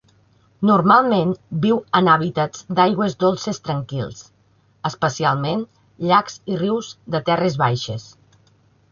Normalment viu en hàbitats d'aigües dolces tranquils, especialment llacs i rius de terres baixes